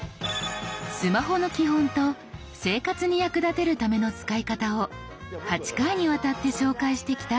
スマホの基本と生活に役立てるための使い方を８回にわたって紹介してきたこのシリーズ。